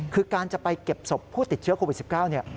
คือการจะไปเก็บศพผู้ติดเชื้อโควิด๑๙เนี่ย